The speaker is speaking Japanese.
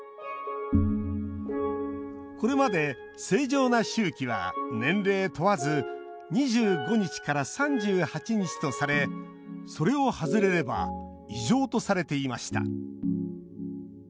これまで正常な周期は年齢問わず２５日から３８日とされそれを外れれば異常とされていました。